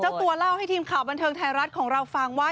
เจ้าตัวเล่าให้ทีมข่าวบันเทิงไทยรัฐของเราฟังว่า